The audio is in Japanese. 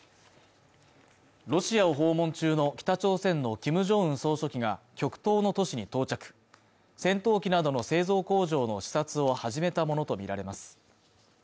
ロシアを訪問中の北朝鮮のキム・ジョンウン総書記が極東の都市に到着戦闘機などの製造工場の視察を始めたものと見られます